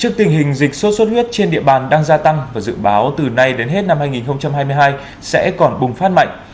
trước tình hình dịch sốt xuất huyết trên địa bàn đang gia tăng và dự báo từ nay đến hết năm hai nghìn hai mươi hai sẽ còn bùng phát mạnh